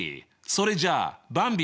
それじゃあばんび。